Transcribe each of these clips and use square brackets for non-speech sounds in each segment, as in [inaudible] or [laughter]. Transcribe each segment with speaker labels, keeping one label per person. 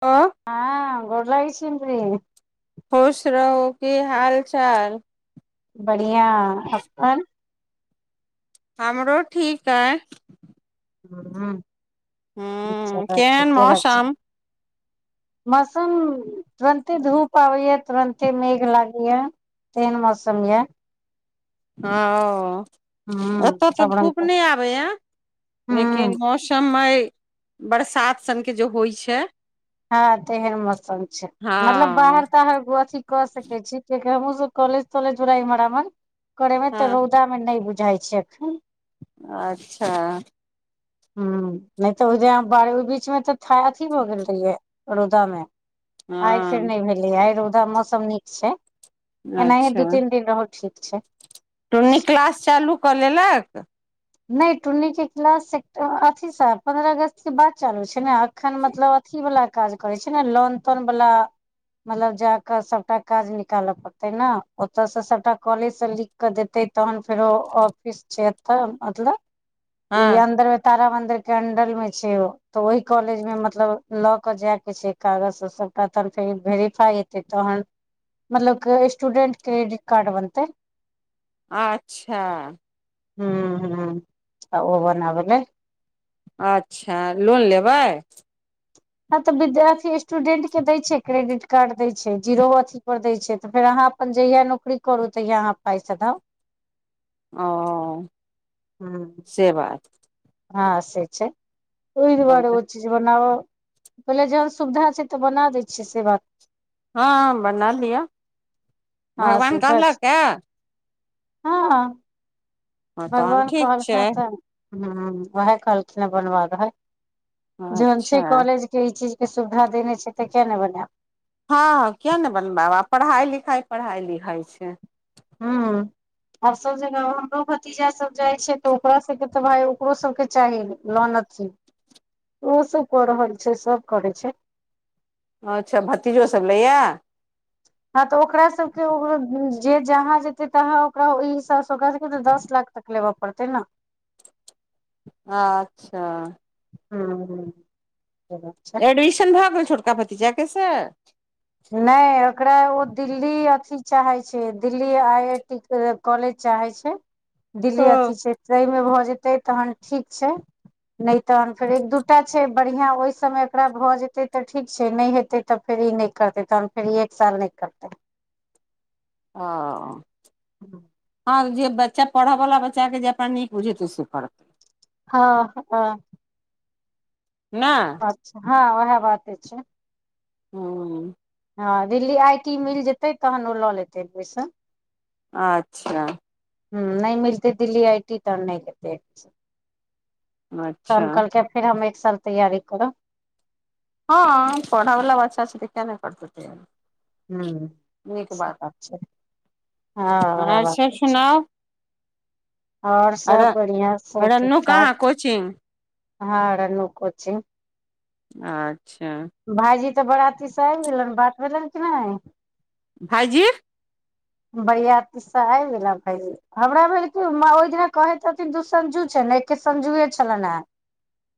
Speaker 1: आ
Speaker 2: ह गोर लगै छी बे
Speaker 1: खुश रहू कि हाल चाल
Speaker 2: बढ़िया अपन
Speaker 1: हमरो ठीक आइ
Speaker 2: ह
Speaker 1: हू
Speaker 2: चलू
Speaker 1: केहन
Speaker 2: ठीके बात
Speaker 1: मौसम
Speaker 2: [inaudible] मौसम तुरन्ते धूप आबैया तुरन्ते मेघ लागैय तेहन मौसम या
Speaker 1: ओ
Speaker 2: ह
Speaker 1: अतय तऽ
Speaker 2: सब रंग
Speaker 1: धूप
Speaker 2: के
Speaker 1: नहि आबैए। लेकिन
Speaker 2: ह
Speaker 1: मौसम आइ बरसात सनके जे होइत छै
Speaker 2: ह तहेन मौसम छै
Speaker 1: हँ
Speaker 2: मतलब बाहर तऽ अथि कऽ सकै छी कियाकी हमहुँ सभ कॉलज तॉलेज इमहर आमहर करे मे
Speaker 1: हँ
Speaker 2: तऽ रौद मे नहि बुझाई छै एखन
Speaker 1: अच्छा।
Speaker 2: हैं नहि तऽ ओहि ओहि बीच मे तऽ था अथी भऽ गेल रहियै रौदा मे आइ फेर
Speaker 1: हँ
Speaker 2: नहि भेलैया आइ रौदा मौसम नीक छै। एनाहे दू
Speaker 1: अच्छा
Speaker 2: तीन दिन रहल ठीक छै
Speaker 1: टुन्नी क्लास चालू कऽ लेलऽ कऽ
Speaker 2: नहि टुन्नी के क्लाश अथी सँ पन्द्रह अगस्तके बाद चालू छै ने एखन मतलब अथी वाला काज करै छै ने लोन तोन वाला मतलब जाक सभटा काज निकालऽ पड़तै ने ओत सँ सभटा कॉलेज सँ लिख कऽ देतै तहन फेरो ऑफिस छै एतऽ मतलब ई
Speaker 1: हँ
Speaker 2: अन्दर मे। तारामंडल के अंदर मे छै व तऽ ओहि कॉलेज मे मतलब लऽ के जाय के छै कागज सभटा तहन फेर वेरिफाई तऽ हन मतलब स्टूडेट क्रेडिट कार्ड बनतै।
Speaker 1: अच्छा
Speaker 2: हू हू आ ओ बनाबै लै
Speaker 1: अच्छा लोन लेबै।
Speaker 2: ह तऽ विद्यार्थी स्टूडेंट के दय छै क्रेडिट कार्ड दय छै जीरो अथी पर दय छै तऽ फेर अहा अपन जहिया नौकरी करू तहिया अहाँ पाई सधाउ
Speaker 1: ओ से बात।
Speaker 2: हा से छै ओइ
Speaker 1: तहन
Speaker 2: दुआरे
Speaker 1: तऽ
Speaker 2: ओ बनाब कहलिया जहन सुविधा छै तऽ बना दै छियै से बात
Speaker 1: ह बना लिअ
Speaker 2: ह
Speaker 1: भगवान
Speaker 2: सुविधा छै
Speaker 1: कहलक ए
Speaker 2: ह
Speaker 1: हँ तहन
Speaker 2: भगवान
Speaker 1: ठीक छै
Speaker 2: कहलखिन त हा उएह कहलखिन हैं बनबा दहक जहन
Speaker 1: अच्छा
Speaker 2: छै कॉलेज मे ई चीज के सुविधा देने छै त किया नहि बनायब
Speaker 1: हँ किया नहि बनबायब पढ़ाई लिखाई पढ़ाई लिखाई छै
Speaker 2: हू आर सभ जगह हमरो भतीजा सभ जाय छै तऽ ओकरा सभके तऽ भाय ओकरो सभ के चाही लोन ज ओहो सभ कऽ रहल छै सभ करै छै
Speaker 1: अच्छा भतीजो सभ लैया
Speaker 2: हँ तऽ ओकरा सभके जे जहाँ जेते तहाँ ओकरा ई सभ तऽ ओकरा सभके दस लाख तक लेबऽ पड़तै न
Speaker 1: अच्छा।
Speaker 2: ह हू बूझ गलि
Speaker 1: एडमिशन भए गेल छोटका भतीजा के स
Speaker 2: नहि ओकरा ओ दिल्ली अथि चाहे Delhi I I T college चाहे छैय दिल्ली
Speaker 1: हँ
Speaker 2: अथी छै तहिमे भऽ जेतै तहन ठीक छैय। नहि तहन फेर एक दूटा छै बढ़िया ओहि समय एकरा भए जेते तऽ ठीक छै नहि हेते तऽ फेर ई नै करते तऽ फेर एक साल नहि करते।
Speaker 1: आ
Speaker 2: ह
Speaker 1: जे बच्चा पढ़य वाला बच्चा के जे अपना नीक बुझेते से करत
Speaker 2: ह ह।
Speaker 1: ना
Speaker 2: अच्छा हँ वएह बाते छैय
Speaker 1: हू
Speaker 2: ह दिल्ली आई टी मिल जेतै तहन ओ लऽ लेतै एडमिशन
Speaker 1: अच्छा।
Speaker 2: हैं नहि मिलते दिल्ली आइ टी तऽ नहि लतै एडमिशन
Speaker 1: अच्छा
Speaker 2: तहन कहलके फेर हम एक साल तैयारी करब।
Speaker 1: ह पढ़ै वला बच्चा छैय तऽ किया नहि करतै तैयारी
Speaker 2: ह से बात छैय हा आ
Speaker 1: आर सब
Speaker 2: बाते छैय
Speaker 1: सुनाउ
Speaker 2: आओर सभ बढ़िया सभ ठीक ठाक
Speaker 1: अच्छा
Speaker 2: ह लल्लु कोचिंग
Speaker 1: अच्छा।
Speaker 2: भाईजी तऽ बराती से आबि गेलन बात भेलन कि नहि।
Speaker 1: भाईजी।
Speaker 2: बराती से आबि गैला भाईजी। हमरा भेल कि ओहि दिना कहै छथिन दू सझु छैय एके सझुए छलनि हैं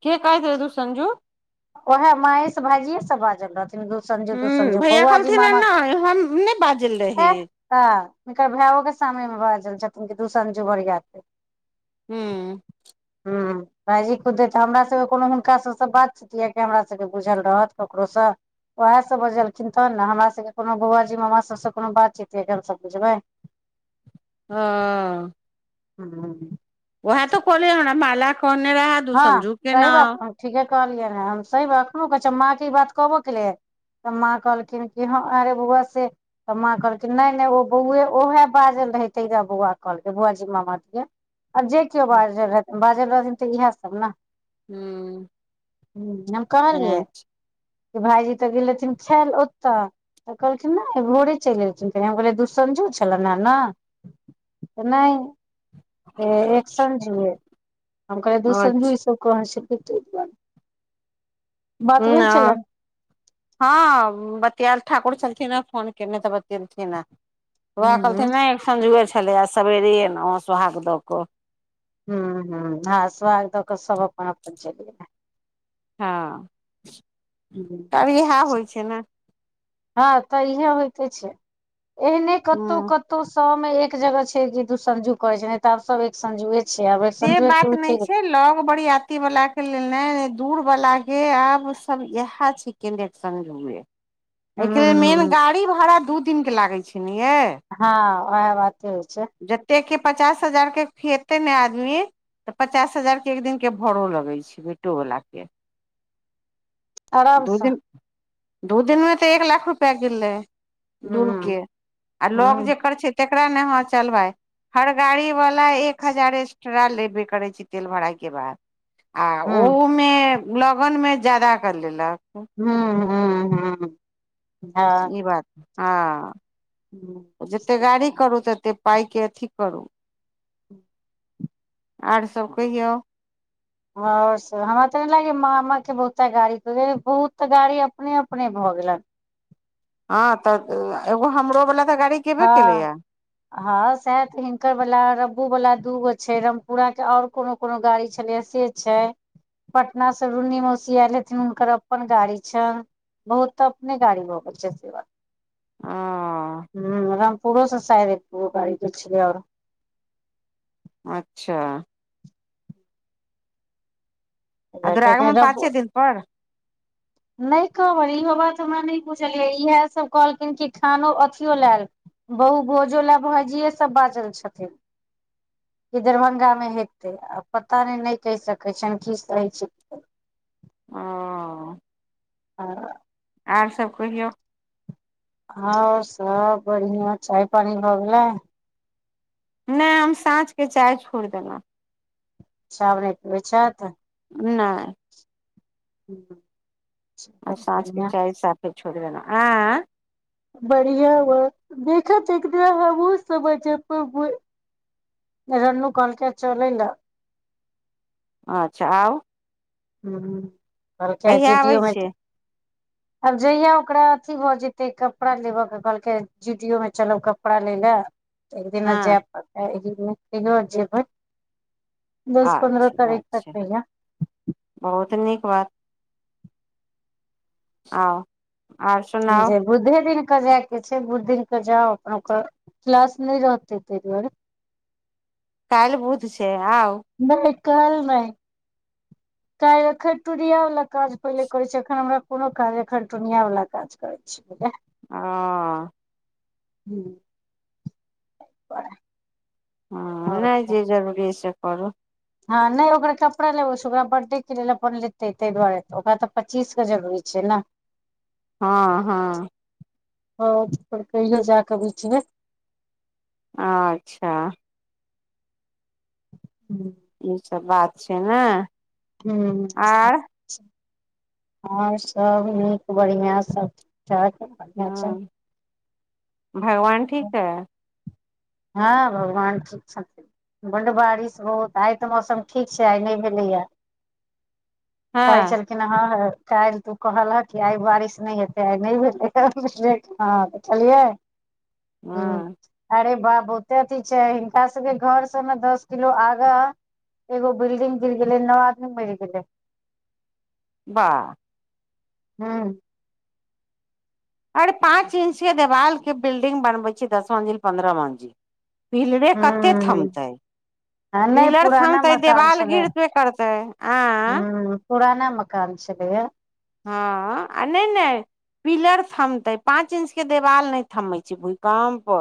Speaker 1: के कहै छलै दू सझु
Speaker 2: ओएहे महेश भाईजिये सब बाजल रहथिन दो संझे के
Speaker 1: हूँ
Speaker 2: संझे
Speaker 1: भैया
Speaker 2: बौआजी
Speaker 1: कहलथिन ह
Speaker 2: मामा
Speaker 1: नहि हम नहि बाजल रही
Speaker 2: ह हुनकर भायो के सामने मे बाजल छथिन कि दू संझू बरिय
Speaker 1: हूं
Speaker 2: हूं भाईजी खुदे हमरा सब कोनो हुनका सबसँ बात चि कियक हमरा सबके बुझल रहत ककरोसँ। वएह सब बजलखिन तहन न हमरा सबके कोनो बौआ जी मामा सबसे कोनो बात चीत हेय जे हम सब बुझबै।
Speaker 1: अ
Speaker 2: हूं
Speaker 1: ओएह त कहलियैन हमरा माला करने रहा
Speaker 2: हसही बात हम ठीके कहलियै ह हम सही बात एखनो कहै छिय माँ के इ बात कहबो केलियै। तऽ माँ कहलखिन कि ह अरे बौआ से तऽ माँ कहलकिन नहि नहि ओ बौए ओएहे बाजल रहिते बौआ कहलकै बौआ जी मामा दिया। आ जे केओ बाजल रहथि बाजल रहथिन तऽ इएह सब न।
Speaker 1: हूँ
Speaker 2: हूं हम कहलियै।
Speaker 1: अच्छा
Speaker 2: की भाईजी तऽ गेल हेथिन खाईल ओतऽ। तऽ कहलखिन नहि भोरे चलि एयलथिन त हम कहलियै दू संझु छलै न। तऽ नहि। एक सझुये हम कहै दू सझी
Speaker 1: अच्छा
Speaker 2: इ सब कहै छलखिन तहि दुआरे। बात भेल छलनि?
Speaker 1: ह बतियाल ठाकुर छलथखिन ह फोन केने तऽ बतएलथिन ह। उएह
Speaker 2: हूँ हूँ
Speaker 1: कहलखिन नहि एक सँझुए छलैए सवेरे एयलहुँ सुहाग दऽ कऽ।
Speaker 2: हूं हूं आ सुहाग दऽ कऽ सब अपन अपन चलि गेल।
Speaker 1: हँ तब इएह होइ छै ने
Speaker 2: ह तऽ इह होइते छैय एहने कतौ
Speaker 1: हूँ
Speaker 2: कतौ सौ में एक जगह छैय जे दू संझु करै छैय न त आब सब एक संझुये
Speaker 1: से बात नहि छैय लग बरियति वला के लेल ने दूर वला के आब सब इएह छैयके [unintelligible] अयके लेल मेन गाड़ी भाड़ा दू दिनके लागैत छैय ने यै।
Speaker 2: हँ वैह बाते होइ छैय।
Speaker 1: जतेके पचास हजार के खीएते ने आ आदमी तऽ पचास हजार के एक दिन के भड़ो लगई छैय बेटो वला के। दू
Speaker 2: आरामसँ
Speaker 1: दिन दू दिनमे तऽ एक लाख रुपैआ गेलै।
Speaker 2: हूं
Speaker 1: दूरके आ लग
Speaker 2: हूं
Speaker 1: जेकर छैय तकरा ने अहाँ चल भाय। हर गाड़ी वला एक हजार एस्ट्रा लेबे करै छैय तेल भराइ के बाद। आ
Speaker 2: हूं
Speaker 1: ओहूमे लगनमे ज्यादा कर लेलक।
Speaker 2: हूं हूं हूं हँ
Speaker 1: ई बात
Speaker 2: हूँ।
Speaker 1: हँ जतेक गाड़ी करू तते पायके अथी करू आर सब कहियौ?
Speaker 2: आओर सब हमरा ते नहि लागय मामा के बहुते गाड़ी बहुत गाड़ी अपने अपने भऽ गेलन।
Speaker 1: हँ तऽ एगो हमरो वाला तऽ गाड़ी गेबे
Speaker 2: हँ
Speaker 1: केलैया
Speaker 2: हँ सैह त हिनकर वला रब्बू वला दू गो छैय रमपुरा के आओर कोनो कोनो गाड़ी छलैय से छैय। पटना से रून्नी मौसी आयल हेथिन हुनकर अपन गाड़ी छनि। बहुत तऽ अपने गाड़ी भ गेल छै
Speaker 1: हँ
Speaker 2: हँ रामपुरो से शायद एको गाड़ी गेल छलैयौ
Speaker 1: अच्छा। आ दुरागमन पाँचे
Speaker 2: रब्बू
Speaker 1: दिन पर?
Speaker 2: नहि कहब इहो बात हमरा नहि बूझल अहि इएहसभ कहलखिन कि खानो अथियो लायल बहु भोजो लै भैजिए सब बाजल छथिन। कि दरभंगामे हेते आ पता नहि कहि सकैत छी की सब होइ छै।
Speaker 1: ओ
Speaker 2: आ
Speaker 1: आओर सब कहियौ।
Speaker 2: आओर सब बढ़ियां चाय पानी भऽ गेलै?
Speaker 1: नहि हम साँझके चाय छोड़ि देलहुँ।
Speaker 2: चाव नै पिबै छतऽ।
Speaker 1: नै
Speaker 2: [inaudible]
Speaker 1: आब साँझके चाय साफे छोड़ि देलहुं आ, आ
Speaker 2: बढ़िया बात देखत एक बेर हमहुं रन्नू कहलके चले ल।
Speaker 1: अच्छा आउ।
Speaker 2: हम्म
Speaker 1: कहिया
Speaker 2: जी डी
Speaker 1: आबै
Speaker 2: ओ मे।
Speaker 1: छियै
Speaker 2: आब जहिया ओकरा अथी भऽ जेते कपड़ा लेबय के कहलकै जी डी ओ मे चलब कपड़ा लय ले। एकदिना
Speaker 1: हँ
Speaker 2: जैब एकदिनो जेबै दस पन्द्रह
Speaker 1: अच्छा
Speaker 2: तारीख तक
Speaker 1: अच्छा
Speaker 2: होइ यै।
Speaker 1: बहुत नीक बात। आउ। आर
Speaker 2: हं
Speaker 1: सुनाउ
Speaker 2: जे बुधे दिन के जाय के छै बुध दिन के जाउ ओकर क्लास नहि रहते ताहि दुआरे।
Speaker 1: काइल बुध छै आउ।
Speaker 2: नहि काल्हि नै। काल एखन टूनिया वाला काज पहिले करे छै एखन हमरा कोनो काज एखन टूनिया वाल काज करे। [unintelligible]
Speaker 1: ह
Speaker 2: ह
Speaker 1: हँ नहि जे जरूरी य से करू
Speaker 2: ह नहि ओकरा कपड़ा लेबो ओकरा बर्थडे के लेल अपन लेतै ताहि दुआरे ओक तऽ पच्चीस के जरूरी छैय न
Speaker 1: ह ह
Speaker 2: ह त कहियो जाकऽ बीचमे
Speaker 1: अच्छा
Speaker 2: हूँ
Speaker 1: इ सब बात छैय नहि
Speaker 2: ह हँ आओर सब नीक बढ़िआँ सब च कढ़च [inaudible]
Speaker 1: ह भगवान ठीक हइ
Speaker 2: हाँ भगवान ठीक छथिन बड बारिश होत आइ तऽ मौसम ठीक छैय आइ नहि भेलैया कहै
Speaker 1: हँ
Speaker 2: छल लेकिन ह काल्हि तू कहलह कि आइ बारिश नहि हेतै आइ नहि भेलेै ह छलियै ह
Speaker 1: हँ
Speaker 2: अरे बाप बहुते अथी छैय हिनका सबके घर स ने दस किलो आगा एगो बिल्डिंग गिर गेले नौ आदमी मरि गेले
Speaker 1: बा
Speaker 2: हँ
Speaker 1: अरे पाँच इंच के देवाल के बिल्डिंग बनबै छैय दश मंजिल पन्द्रह मंजिल पिलरे कते
Speaker 2: ह
Speaker 1: थमतै
Speaker 2: आ नहि
Speaker 1: पिलर
Speaker 2: पुराना
Speaker 1: थनतै
Speaker 2: मकान
Speaker 1: देवाल
Speaker 2: छलै
Speaker 1: गिरते करतै आ
Speaker 2: ह पुराना मकान छलैय
Speaker 1: ह आ नहि नहि पिलर थमते पाँच इंच के देवाल नहि थमै छैय भूकम्प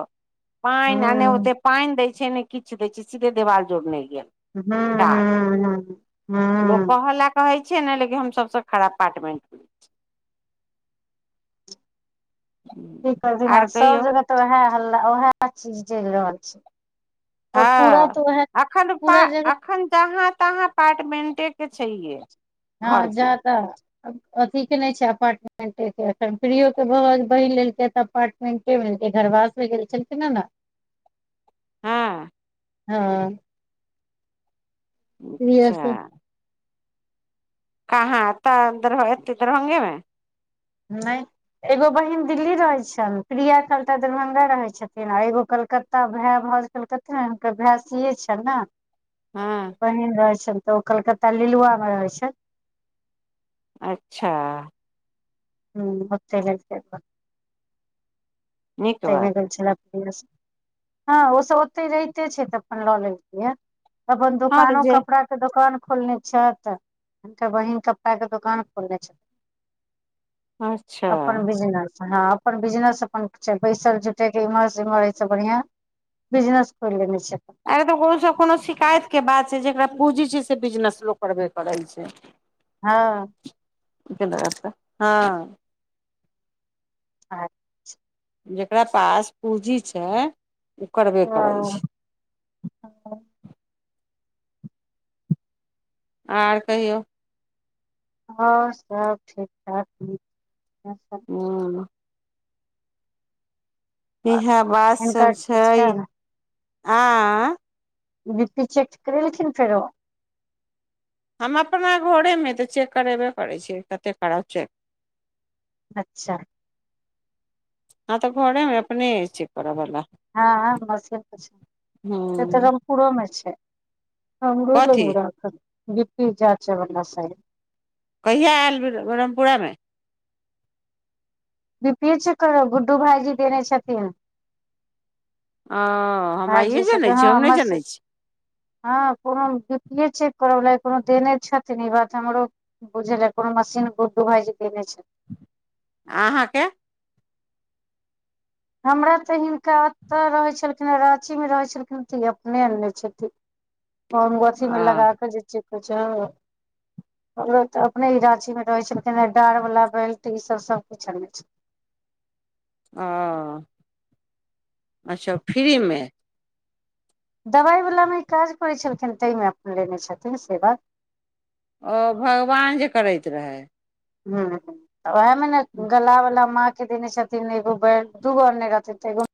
Speaker 2: ह
Speaker 1: पइन आ नहि ओते पइन दैत छैय नहि किछ दैय छैय सीधे देवाल जोड़नै गेल
Speaker 2: हँ
Speaker 1: ठाठ
Speaker 2: ह ह
Speaker 1: लोक
Speaker 2: हँ
Speaker 1: कहऽ लए कहै छियै ने लेकिन हम सबसँ खराब पार्टमेन्ट
Speaker 2: कि करथिन
Speaker 1: आर
Speaker 2: आब सब
Speaker 1: कहियौ
Speaker 2: जगह तऽ उएह हल्ला उएह चीज चलि रहल छैय
Speaker 1: ह अखन त पा
Speaker 2: पूरा जगह
Speaker 1: अखन जहाँ तहाँ अपार्टमेंटेके छैयै
Speaker 2: ह जहाँ तहाँ अथी के नहि छैय अपार्टमे [unintelligible] न फ्री भ बहिन लेलकै तऽ अपार्मेंटेमेै घरवासमे गेल छलखिन ह ने [inaudible]
Speaker 1: हँ
Speaker 2: ह [unintelligible]
Speaker 1: अच्छा कहाँ तऽ इधर इधर दरभंगे मे
Speaker 2: नहि एगो बहिन दिल्ली रहैत छन प्रिया एखान दरभंगा रहै छथिन आ एगो कलकत्ता भाय भाऊज कलकत्ता हुनकर भाय सिये छैन न
Speaker 1: हँ
Speaker 2: बहिन रहै छ तऽ ओ कलकत्ता लीलुआ मे रहै छैथ
Speaker 1: अच्छा
Speaker 2: हू ओते रहत छैथ अपन
Speaker 1: नीक बात
Speaker 2: पेमेनट भेल छल ह ओसभ ओते रहिते छैथ तऽ अपन लऽ लखिन अपन
Speaker 1: हँ तऽ
Speaker 2: दुकानो
Speaker 1: जे
Speaker 2: कपड़ा के दोकान खोलने छैथ हुनकर बहिन कपड़ा के दोकान खोलने छैय
Speaker 1: अच्छा
Speaker 2: अपन बिजनस हँ अपन बिजनस अपन बैसल झुठेके इम्हर सेम्हर ईसब बढ़ियां बिजनेस खोलि लेने छथिन अपन
Speaker 1: आर त को कोनो शिकायत के बात छैय जेकरा पुंजी छैय से बिजनेस लोग करबे करे छैय
Speaker 2: हँ
Speaker 1: फेर हँ
Speaker 2: हँ छी
Speaker 1: जकरा पास पूँजी छैय उ करबे करै छै आर कहियौ
Speaker 2: हँ सब ठीक ठाक न
Speaker 1: हु इहे बात सब
Speaker 2: हिनकर ठीक छै
Speaker 1: छैय
Speaker 2: ने
Speaker 1: आ
Speaker 2: बी पी चेेक करेलखिन फेरो
Speaker 1: हम अपना घरे मे तऽ चेक करेबे करै छियै कतेक करउ चेक
Speaker 2: अच्छा
Speaker 1: हँ तऽ घरे मे अपने अय चेक करऽ वला
Speaker 2: हँ [unintelligible] से तऽ
Speaker 1: ह
Speaker 2: रामपुरोमे छैय हमरो लग
Speaker 1: कथी
Speaker 2: म रहत बीपी जाचे बला सायद
Speaker 1: कहिया आयल बब्रह्मपुरा मे
Speaker 2: बीपी च्कर गुडडु भाईजी देने छथिन
Speaker 1: ओ हम आइए
Speaker 2: भायजी सब
Speaker 1: जनै
Speaker 2: हँ
Speaker 1: छिय हम
Speaker 2: हमर
Speaker 1: नय
Speaker 2: से
Speaker 1: जनै छी
Speaker 2: हँ कोनो बीपी चेक करऽ वला कोनो देने छथिन ई बात हमरो बुझलै कोनो मशीन गुडडु भायजी दाने छै
Speaker 1: अहाँ के
Speaker 2: हमरा तऽ हिनका ओतऽ रहै छलखिन रांची मे रहै छलखिन तऽ ई अपने ने छथिन ओमगोछी
Speaker 1: ओ
Speaker 2: मे लगा कऽ जे चेक होइ छै ह हमरो तअ अपने इ रांची मे रहै छलकिन डार वालला बेल्ट ई सब सबकछ आने छलकिन
Speaker 1: ओ अच्छा फ्रीरी मे
Speaker 2: दवाई वला मे ई काज करैत छलखिन ताहिमे अपन लेने छथिन से बात
Speaker 1: ओ भगवान जे करैत रहै
Speaker 2: ह ओएहमे ने गला वला मां दिने छतिन एगो बेल्ट दूगने रातिन त एगो